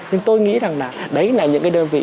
nhưng tôi nghĩ rằng là đấy là những cái đơn vị